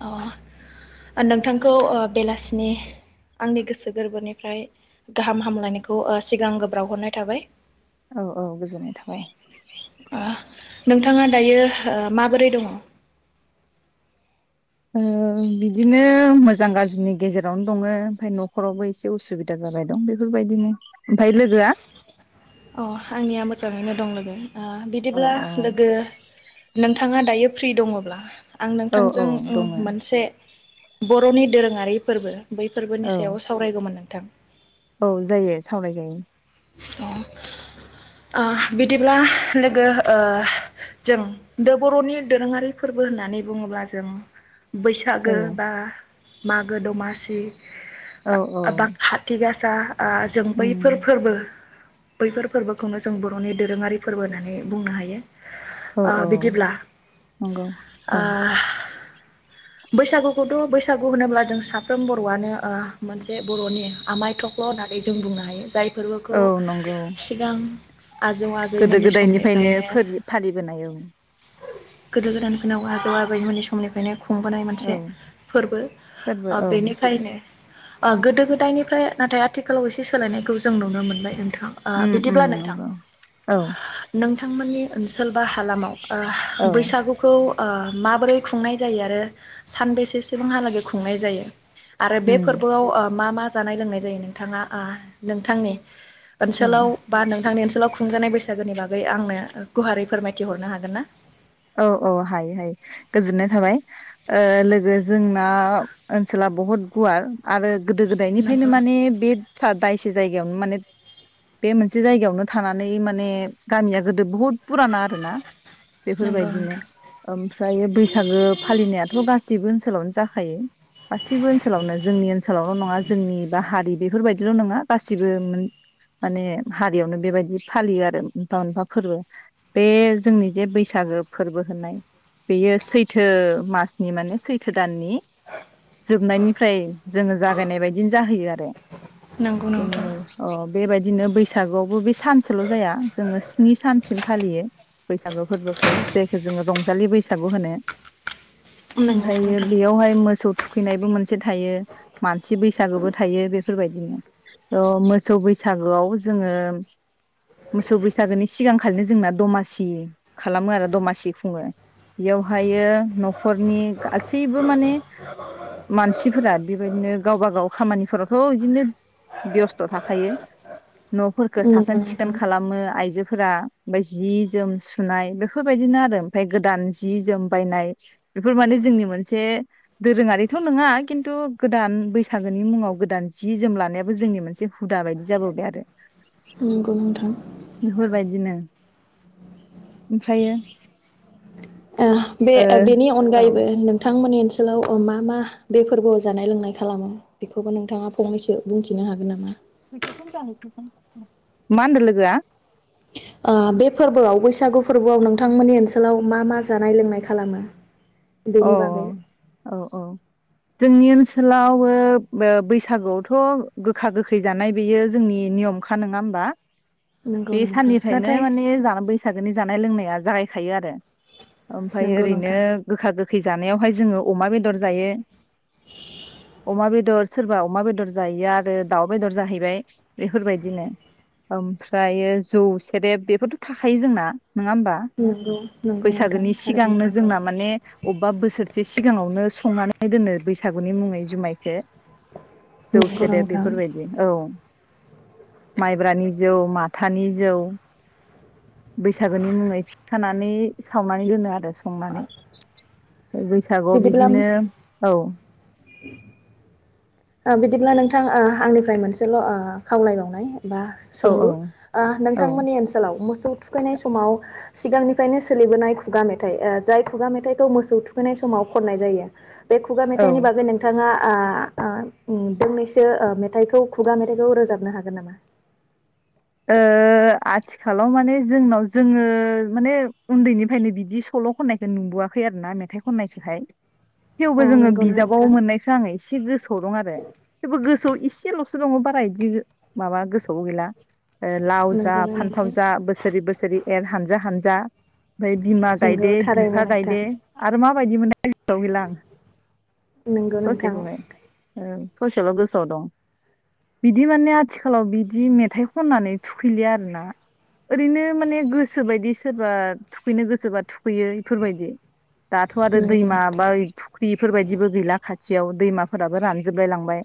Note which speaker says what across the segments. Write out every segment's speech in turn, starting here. Speaker 1: अ नोंथांखौ बेलासिनि आंनि गोसो गोरबोनिफ्राय गाहाम हामलायनायखौ सिगां बावहरनाय थाबाय।
Speaker 2: औ औ गोजोननाय थाबाय।
Speaker 1: ओ नोंथाङा दायो ओ माबोरै दङ
Speaker 2: ओ बिदिनो मोजां गाज्रिनि गेजेरावनो दंङ ओमफ्राय न'खरावबो एसे उसुबिदा जाबाय दं बेफोर बायदिनो।
Speaker 1: अ आंनिया मोजाङैनो दं लोगो ओ
Speaker 2: औ
Speaker 1: बिदिब्ला
Speaker 2: औ
Speaker 1: लोगो नों थाङा दायो फ्रि दङब्ला आं
Speaker 2: औ
Speaker 1: नोंथांजों
Speaker 2: औ दङो
Speaker 1: मोनसे बर'नि दोरोङारि फोरबो बै फोरबोनि
Speaker 2: औ
Speaker 1: सायाव सावरायगौमोन नों नोंथां
Speaker 2: औ जायो सावराय जायो।
Speaker 1: अ ओ बिदिब्ला लोगो जों बर'नि दोरोङारि फोरबो होननानै बुङोब्ला जों बैसागो
Speaker 2: औ
Speaker 1: बा मागो दमासि
Speaker 2: औ औ
Speaker 1: बा काति गा सा आ जों बैफोर
Speaker 2: उम
Speaker 1: फोरबो बैफोर फोरबोखौनो जों बर'नि दोरोङारि फोरबो होननानै बुंनो हायो।
Speaker 2: औ
Speaker 1: आ
Speaker 2: औ
Speaker 1: बिदिब्ला
Speaker 2: नंगौ
Speaker 1: आ
Speaker 2: औ
Speaker 1: बैसागुखौथ' बै बसागु होनोब्ला जों साफ्रोम बर'आनो ओ मोनसे बर'नि आमाय थख्ल' होननानै जों बुंनो हायो जाय खौ
Speaker 2: औ नंगौ
Speaker 1: सिगां आजौ
Speaker 2: गोदो
Speaker 1: आजोयमोननि
Speaker 2: गोदायनिफ्रायनो
Speaker 1: समनिफ्रायनो
Speaker 2: फोलि फालिबोनाय औ
Speaker 1: गोदो गोदानफोरनाव आजौ आ बैमोननि समनिफ्रायनो खुंबोनाय मोनसे
Speaker 2: औ
Speaker 1: फोरबो
Speaker 2: फोरबो औ
Speaker 1: बेनिखायनो ओ गोदो गोदायनिफ्राय नाथाय आथिखालाव एसे सोलायनायखौ जों नुनो मो [unintelligible] आ
Speaker 2: उम उम
Speaker 1: बिदिब्ला नोंथां,
Speaker 2: नंगौ औ
Speaker 1: नोंथांमोननि ओनसोल बा हालामाव आ
Speaker 2: औ
Speaker 1: बैसागुखौ आ माबोरै खुंनाय जायो आरो सानबेसेसिमहालागे खुंनाय जायो? आरो बे
Speaker 2: उम
Speaker 1: फोर्बोआव ओ मा मा जानाय लोंनाय जायो नोंथाङा आ नोंथांनि
Speaker 2: औ
Speaker 1: ओनसोलाव बा नोंथांनि ओनसोलाव खुंजानाय बैसागोनि बागै आंनो गुवारै फोरमायथि हरनो हागोन ना?
Speaker 2: औ औ हायो हायो गोजोननाय थाबाय ओ लोगो जोंना ओनसोला बहुद गुवार आरो गोदो गोदायनिफायनो
Speaker 1: नंगौ
Speaker 2: माने बे था दायसे जायगायावनो माने बे मोनसे जायगायावनो थानानै माने गामिया गोदो बुहुत फुराना आरोना।
Speaker 1: नंगौ
Speaker 2: बेफोरबायदिनो
Speaker 1: नोंथां
Speaker 2: ओमफ्रायो बैसागो फालिनायाथ' गासैबो ओनसोलावनो जाखायो गासिबो ओनसोलावनो जोंनि ओनसोलावल' नङा जोंनि बा हारि बेफोरबायदिल' नङा गासिबो माने हारियावनो बेबायदि फालियो आरो मोनफा मोनफा फोर्बो बे जोंनि बे बैसाग सागो फोर्बो होन्नाय बेयो सैथो मासनि माने सैथो दाननि जोबनायनिफ्राय जोङो जागायनाय बायदिनो जाहैयो आरो।
Speaker 1: नंगौ नोंथां।
Speaker 2: जोङो अ बेबायदिनो बैसागुआवबो बे सानसेल' जाया जोङो स्नि सानसिम फालियो, बैसागु फोर्बो जायखौ जोङो रंजालि बैसागु होनो।
Speaker 1: नंगौ
Speaker 2: ओमफायो
Speaker 1: नोंथां
Speaker 2: बेयावहाय मोसौ। थुखैनायबो मोन से थायो, मानसि बैसागोबो थायो बेफोरबायदि। अ मोसौ बैसागोआव जोङो मोसौ बैसागोनि सिगांखालिनो जोंना दमासि। खालामो आरो दमासि खुङो बेयावहाय ओमफायो न'खरनि गासैबो माने मानसिफोरा बेबायदिनो गावबा गाव खामानिफोरावथ' इदिनो बेस्थ' थाखायो। न'फोरखौ
Speaker 1: नंगौ
Speaker 2: साखोन सिखोन
Speaker 1: नोंथां
Speaker 2: खालामो आइजो फोरा ओमफाय जि जोम नाय बेफोरबायदिनो आरो ओमफाय गोदान जि जोम बायनाय बेफोर माने जोंनि मोनसे दोरोङारिथ' नङा किन्तु गोदान बैसागोनि मुङाव गोदान जि जोम लानायाबो जोंनि मोनसे हुदा बायदि जाबोबाय आरो
Speaker 1: नंगौ नोंथां।
Speaker 2: बेफोरबायदिनो ओमफ्रायो
Speaker 1: ओ बे
Speaker 2: ओ
Speaker 1: बेनि
Speaker 2: औ
Speaker 1: अनगायैबो नोंथांमोननि ओनसोलाव मा मा बे फोरबोआव जानाय लोंनाय खालामो बेखौबो नोंथाङा फंनैसो बुंथिनो हागोन नामा?
Speaker 2: [unintelligible] मा होनदो लोगोआ?
Speaker 1: ओ बे फोरबोआव बैसागु फोरबोआव नोंथांमोननि ओनसोलाव मा मा जानाय लोंनाय खालामो?
Speaker 2: औ
Speaker 1: बेनि बागै
Speaker 2: औ औ। जोंनि ओनसोलाव ओ बो बैसागोआवथ' गोखा गोखै जानाय बेयो जोंनि नियमखा नोङा होमबा।
Speaker 1: नंगौ
Speaker 2: बे
Speaker 1: नोंथां
Speaker 2: साननिफ्रायनो
Speaker 1: नाथाय
Speaker 2: माने जानानै बैसागोनि जा जानाय लोंनाया जागायखायो आरो ओमफाय
Speaker 1: नंगौ
Speaker 2: ओरैनो
Speaker 1: नोंथां
Speaker 2: गोखा गोख गोखै जानायावहाय जोङो अमा बेदर जायो अमा बेदर सोरबा अमा बेदर जायिआ आरो दाउ बेदर जाहैबाय बेफोरबायदिनो ओमफ्रायो जौ सेरेब बेफोरथ' थाखायो जोंना नङा होमबा
Speaker 1: नंगौ नंगौ नोंथां
Speaker 2: बैसागोनि
Speaker 1: थारैनो
Speaker 2: सिगांनो
Speaker 1: नंगौ
Speaker 2: जोंना माने बोसोरसे सिगाङावनो संनानै दोनो बैसागुनि मुङै जुमायखो जौ
Speaker 1: नंगौ
Speaker 2: सेदे
Speaker 1: नोंथां
Speaker 2: बेफोरबायदि औ माइब्रानि जौ माथानि जौ बैसागोनि मुङै थि खाना नानै सावनानै दोनो आरो संनानै बैसागआव
Speaker 1: बिदिब्ला
Speaker 2: बिदिनो औ
Speaker 1: [unintelligible] ओ बिदिब्ला नोंथां ओ आंनिफ्राय मोनसेल' ओ खावलायबावनाय बा
Speaker 2: औ
Speaker 1: सोंलु ओ
Speaker 2: औ
Speaker 1: नोंथांमोननि ओनसोलाव मोसौ थुखैनाय समाव सिगांनिफ्रायनो सोलिबोनाय खुगा मेथाइ ओ जाय खुगा मेथाइखौ मोसौ थुखैनाय समाव खननाय जायो बे खुगा
Speaker 2: ओ
Speaker 1: मेथाइनि बागै नोंथाङा ओ ओ उम दोंनैसो मेथाइखौ खुगा मेथाइखौ रोजाबनो हागोन नामा
Speaker 2: ओ आथिखालाव माने जोंनाव जोङो माने उन्दैनिफ्रायनो बिदि सल' खननायखौ नुबोआखै आरो ना मेथाइ खननायखौहाय
Speaker 1: अ
Speaker 2: थेवबो जोङो
Speaker 1: नंगौना
Speaker 2: बिजाबाव
Speaker 1: नोंथां
Speaker 2: मोननायखो आङो एसे गोसोआव दं आरो थेवबो गोसौ इसेल'सो दंबो बारा इदि माबा गोसोआवबो गैला ओ लाव जा
Speaker 1: नंगौना नोंथां
Speaker 2: फान्थाव जा बोसोरि बोसोरि एर हानजा हानजा ओमफाय बिमा
Speaker 1: नंगौ
Speaker 2: गायदे
Speaker 1: थारैनो
Speaker 2: बिफा
Speaker 1: नोंथां
Speaker 2: गायदो आरो मा बायदि [unintelligible] गैलां
Speaker 1: नंगौ नोंथां
Speaker 2: ससेखौहाय औ। ससेल' गोसोआव दं बिदि माने आथिखालाव बिदि मेथाइ। खननानै थुखैलिया आरोना ओरैनो माने गोसोबायदि सोरबा थुखैनो गोसोबा थुखैयो इफोरबायदि। दाथ' आरो
Speaker 1: नंगौ
Speaker 2: दैमा
Speaker 1: नोंथां
Speaker 2: बा फुख्रिफोरबायदिबो गैला खा। थियाव दैमाफोराबो रानजोबलाय लांबाय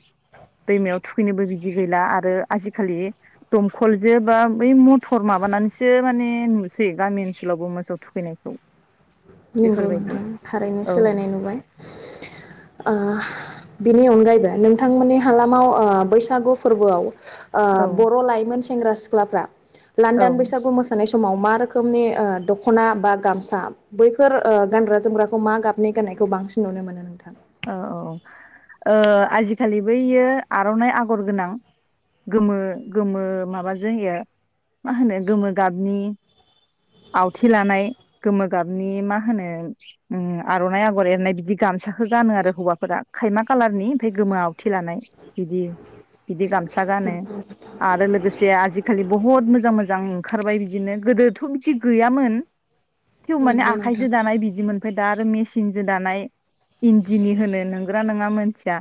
Speaker 2: दैमायाव थुखैनोबो बिदि गैला आरो आजिखालि। दमखलजो बा बै मथर माबानानैसो माने नुसै गामि ओनसोलावबो मोसौ थुखैनायखौ।
Speaker 1: नंगौ
Speaker 2: बेफोरबायदि
Speaker 1: नोंथां थारैनो
Speaker 2: औ
Speaker 1: सोलायनाय नुबाय ओ। बिनि अनगायैबो नोंथांमोननि हालामाव ओ बैसागु फोरबोआव। बर' लाइमोन। सेंग्रा सिख्लाफ्रा।
Speaker 2: औ
Speaker 1: लान्दान बैसागु मोसानाय समाव मा। रोखोमनि ओ दख'ना बा गामसा। बैफोर ओ गानग्रा जोमग्राखौ मा गाबनि गाननायखौ बांसिन नुनो मोनो नोंथां?
Speaker 2: औ औ आजिखालि बैयो आर'नाइ आगर गोनां गोमो गोमो माबाजोंयो मा होनो गोमो गाबनि आवथि लानाय गोमो गाबनि मा होनो आर'नाइ आगर एरनाय बिदि गामसा। खो गानो आरो हौवाफोरा खायमा खालारनि ओमफ्राय गोमो आवथि लानाय बिदि बिदि गामसा गानो आरो लोगोसे आजिखालि बुहुत मोजां मोजां ओंखारबाय बिदिनो गोदोथ' बिदि गैयामोन। थेव माने
Speaker 1: नंगौ नोंथां
Speaker 2: आखाइजो दानाय बिदिमोन। फ्राय दा आरो मेसिनजों दानाय। इन्दिनि होनो नोंगोना नोङा मोनथिया।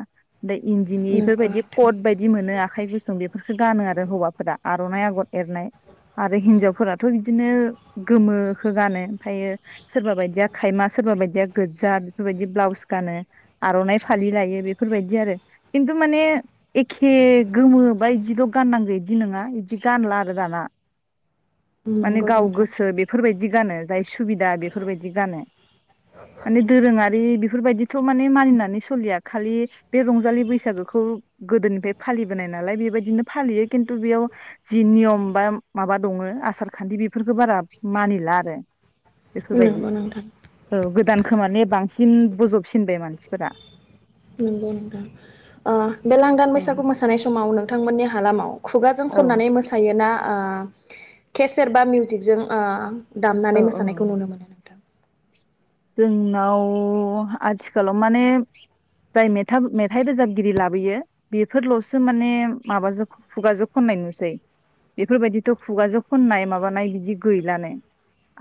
Speaker 2: इन्दिनि
Speaker 1: नंगौ
Speaker 2: बेफोरबायदि
Speaker 1: नोंथां
Speaker 2: कट बायदि। दि मोनो आखाइ गुसुं बेफोरफोरखौ गानो आरो हौवाफोरा आर'नाइ आगर एरनाय आरो हिनजावफोराथ' बिदिनो गोमोखौ गानो ओमफ्रायो सोरबा बाय गानो आर'नाइ फालि लायो बेफोरबायदि आरो खिन्थु माने एखे गोमो बा बायदिल' गाननांगौ बिदि नङा बिदि गानला आरो दाना। माने
Speaker 1: नंगौ
Speaker 2: गाव
Speaker 1: नोंथां
Speaker 2: गोसो बेफोरबायदि गानो जाय। सुबिदा बेफोरबायदि जानो माने दोरोङारि बेफोरबायदि। खौ माने मानिनानै सोलिया खालि बे रंजालि बैसागोखौ गोदोनिफ्राय फालिबोनाय नालाय बेबायदिनो फालियो खिन्थु बेयाव जि नियम बा माबा दङ आसार खान्थि बेफोरखौ बारा मानिला आरो। बेफोरबायदि
Speaker 1: नंगौ नोंथां
Speaker 2: औ गोदान। खोमाने बांसिन बजब। फिनबाय मानसिफोरा।
Speaker 1: नंगौ नोंथां ओ बे लांदान
Speaker 2: औ
Speaker 1: बैसागु मोसानाय समाव नोंथांमोननि हालामाव। खुगाजों
Speaker 2: औ
Speaker 1: खननानै मोसायोना ओ। केसेर बा मिउजिकजों ओ।
Speaker 2: औ
Speaker 1: दामनानै
Speaker 2: औ
Speaker 1: मोसानायखौ नुनो मोनो नोंथां।
Speaker 2: जोंनाव आथिखालाव माने जाय मेथा-मेथाइ रोजाबगिरि लाबोयो बेफोरल'सो माने माबाजों खुगाजों खननाय नुसै बेफोरबायदिथ' खुगाजों खननाय माबानाय बिदि गैलानो।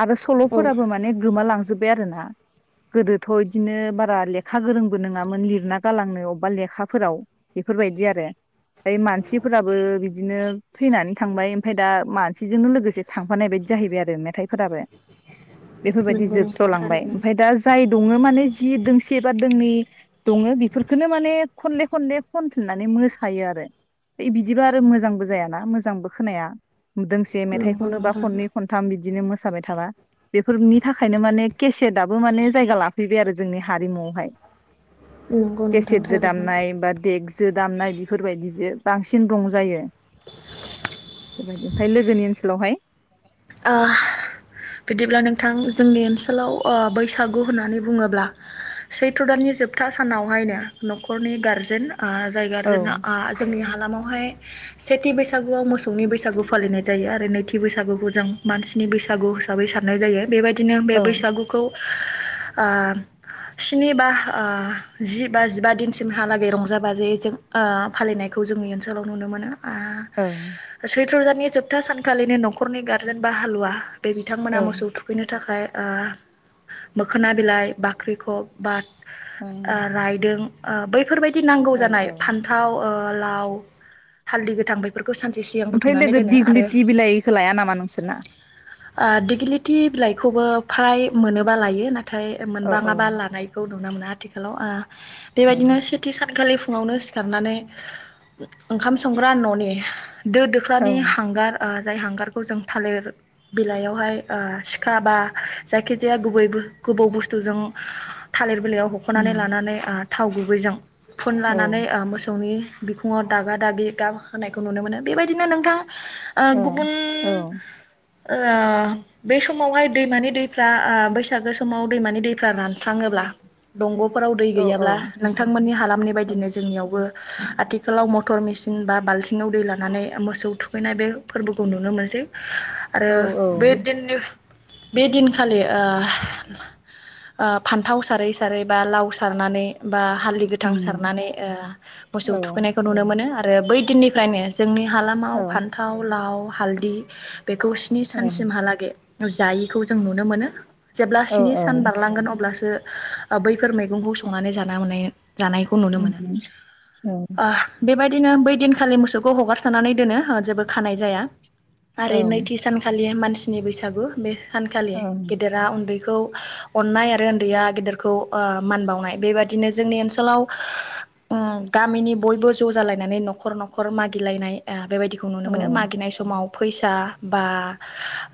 Speaker 2: आरो
Speaker 1: औ
Speaker 2: सल'फोराबो माने गोमा लांजोब [unintelligible] गोदोथ' बिदिनो बारा लेखा गोरोंबो नोङामोन लिरना गालांनो अबेबा लेखाफोराव बेफोरबायदि आरो ओमफ्राय मानसिफोराबो बिदिनो थैनानै थांबाय ओमफफ्राय दा मानसिजोंनो लोगोसे थांफानाय बायदि जाहैबाय आरो मेथाइफोराबो। बेफोरबायदि
Speaker 1: नंगौ
Speaker 2: जोबस
Speaker 1: नोंथां
Speaker 2: लांबाय
Speaker 1: थारैनो
Speaker 2: ओमफाय दा जाय दङ माने जि दोंसे बा दोंनै दङ बेफोरखोनो माने खनले खनले खनफिननानै मोसायो आरो बे बिदिबा आरो मोजांबो जायाना मोजांबो खोनाया दोंसे
Speaker 1: नंगौ
Speaker 2: मेथाइखौनो बा
Speaker 1: नोंथां
Speaker 2: खननै खनथाम बिदिनो मोसाबाय थाबा बेफोरनि थाखायनो माने केसेटआबो माने जायगा लाफैबाय आरो जोंनि हारिमुआवहाय
Speaker 1: नंगौ नोंथां
Speaker 2: केसेटजो
Speaker 1: थारैनो
Speaker 2: दामनाय बा देगजो दामनाय बेफोरबायदिजों बांसिन दंजायो बेफोरबायदि ओमफ्राय लोगोनि ओनसोलावहाय
Speaker 1: ओ बिदिब्ला नोंथां जोंनि ओनसोलाव ओ बैसागु होननानै बुङोब्ला सैथ्र' दाननि जोबथा सानावहायनो न'खरनि गारजेन ओ जायगा आरो
Speaker 2: औ
Speaker 1: जोंना ओ जोंनि लामावहाय सेथि बैसागुआव मोसौनि बैसागु फालिनाय जायो आरो नैथि बैसागुखौ जों मानसिनि बैसागु हिसाबै साननाय जायो बेबायदिनो बे बैसागुखौ आ स्नि बा ओ जि बा जिबा दिनसिमहालागै रंजा बाजायै जों आ फालिनायखौ जोंनि ओनसोलाव नुनो मोनो आ
Speaker 2: औ
Speaker 1: सैथ्र दाननि जोब था सानखालिनि नखरनि गार जेनबा हालुवा बे
Speaker 2: औ
Speaker 1: बिथांमोना मोसौ थुखैनो थाखाय ओ मोखोना बिलाइ बाख्रिखब बा
Speaker 2: औ
Speaker 1: ओ रायदों आ बैब फोरबायदि नांगौ
Speaker 2: औ
Speaker 1: जानाय
Speaker 2: औ
Speaker 1: फान्थाव ओ लाव हालदि गोथां बैफो
Speaker 2: ओमफाय लोगो दिग्लिथि बिलाइखो लाया नामा नोंसो ना
Speaker 1: ओ दिगिलिथि बिलाइखौबो फ्राय मोनोबा लायो ना थाय
Speaker 2: औ औ
Speaker 1: मोनबाङाबा लानायखौ नुनो मोना थिखालाव ओ बेबायदिनो सेथि सानखालि फुंङावनो सिखारनानै ओ ओंखाम संग्रा न'नि दो
Speaker 2: औ
Speaker 1: दोख्रानि हांगार आथ जाय हांगार खौ जों थालिर बिलाइआवहाय ओ सिखा बा जायखिजाया गुबै बो गोबौ बुस्थुजों थालिर बिलायाव हखनानै लानानै ओ थाव गु बैजों फुन
Speaker 2: औ
Speaker 1: लानानै ओ मोसौनि बिखुङाव दागा दागि गाब होनायखौ नुनो मोनो बेबायदिनो नोंथां ओ गुबुन
Speaker 2: औ औ
Speaker 1: ओ बे समावहाय दैमानि दैफ्रा ओ बैसागो समाव दैमानि दै दैफ्रा रानस्राङोब्ला दंग नफोराव दै
Speaker 2: औ
Speaker 1: गैयाब्ला नोंथांमोननि हालामनि बायदिनो जोंनियावबो आथिखालाव मटर मेसिन बा बाल्थिङाव दै लानानै मोसौ थुखैनाय बे फोरबोखौ नुनो मोनसै आरो बेदिननि बे दिनखालि ओ ओ फान्थाव सारै सारै बा लाव सारनानै बा हालदै गोथां सारनानै ओ मोसौ थुखैनायखौ नुनो मोनो आ आरो बै दिननिफ्रायनो जोंनि हालामाव फान्थाव लाव हालदि बेखौ स्नि सानसिमहालागै जायिखौ जों नुनो मोनो जेब्ला स्नि सान बारलांगोन अब्लासो बो बैफोर मैगंखौ संनानै जाना मोननायो जानायखौ नुनो मोनो ओ बेबायदि बिदिनो बै दिनखालि मोसौखौ हगारसारनानै दोनो जेबो खानाय जाया
Speaker 2: औ
Speaker 1: आरो नैथि सानखालि माने- मानासनि बैसागु बे सानखालि
Speaker 2: औ
Speaker 1: गेदेरा उन्दैखौ खौ अननाय आरो उन्दैया गेदिरखौ ओ मान बावनाय बेबादिनो जोंनि ओनसोलाव ओ गामिनि बयबो ज जालायनानै नखर नखर मागिलायनाय आ बेबायदिखौ नुनो मोनो मागिनाय समाव फैसा बा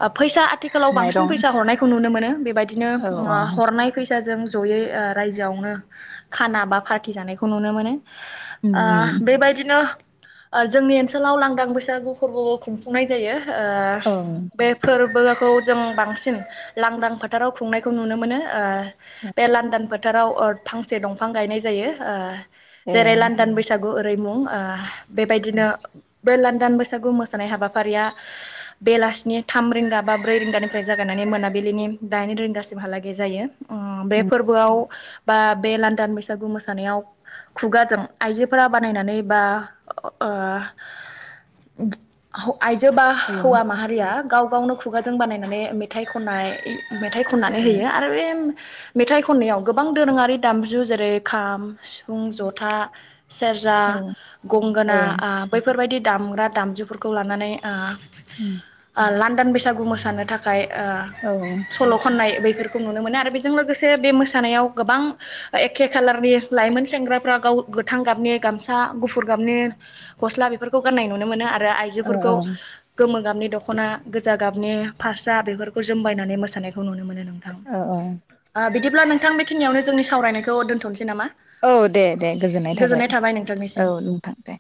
Speaker 1: ओ फैसा थिखालाव बांसिन
Speaker 2: माइरं
Speaker 1: फैसा हरनायखौ नुनो मोनो नो बेबाय बिदिनो
Speaker 2: औ औ
Speaker 1: आ हरनाय फैसाजों जयै ओ रायजोआवनो खाना बा पार्टि जानायखौ नुनो मोनो ओ
Speaker 2: ए
Speaker 1: बेबायदिनो ओ जोंनि ओनसोलाव लांदां बैसागु खु खुंनाय जायो ओ
Speaker 2: औ
Speaker 1: बे फोरबोआ खौ जों बांसिन लांदां फोथाराव खुंनायखौ नुनो मोनो ओ बे लांदां फोथाराव फांसे दंफां गायनाय जायो ओ जेरै लानदांन बैसाग ओरैमुं बेबायदिनो [unintelligible] गोदान बैसागु मोसानाय हाबा हाबाफारिया बेलासिनि थाम रिंगा बा ब्रै रिंगानिफ्राय जागायनानै मोनाबिलिनि दाइन रिंगासिमहालागै जायो बे फोरबोआव बा बे लान्दान बैसागु मोसानायाव खुगाजों आइजोफोरा बानायनानै बा औ [unintelligible] आयजो बा हौवा माहारिया गाव गावनो खुगाजों बानायनानै मेथाइ खननाय मेथाइ खननानै होयो आरो बे मेथाइ खननायाव गोबां दोरोङारि दामजु जेरै खाम सिफुं जथा सेरजा गंगोना बैफोरबायदि दामग्रा दामजुफोरखौ खौ लानानै ओ
Speaker 2: [unintelligible]
Speaker 1: लान्दान बैसागु मोसानो थाखाय सल' खननाय बैफोर खौ नुनो मोनो आरो बेजों लोगोसे बे मोसानायाव गोबां एखे खालारनि लाइमोन सेंग्राफ्रा गाव गोथां गाबनि गामसा गुफुर गाबनि गस्ला बेफोरखौ गाननाय नुनो मोनो आरो फोरखौ गोमो गाबनि दख'ना गोजा गाबनि फास्रा बेफोरखौ जोमबायनानै मोसानायखौ नुनो मोनो नामा
Speaker 2: औ
Speaker 1: नोंथां बिदिब्ला नों नोंथां बेखिनियाव जोंनि सावरायखौ दोनथ'निसै नामा
Speaker 2: औ दे दे गोजोननाय थाबाय औ नोंथां दे